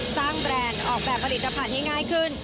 แบรนด์ออกแบบผลิตภัณฑ์ให้ง่ายขึ้น